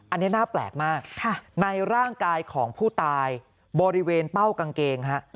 อันนี้น่าแปลกมากในร่างกายของผู้ตายบริเวณเป้ากางเกงฮะ